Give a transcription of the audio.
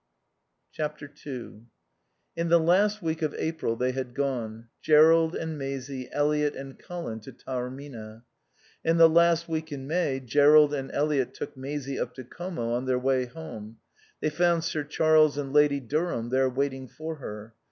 ii In the last week of April they had gone, Jerrold and Maisie, Eliot and Colin, to Taormina. In the last week in May Jerrold and Eliot took Maisie up to Como on their way home. They found Sir Charles and Lady Durham there waiting for her.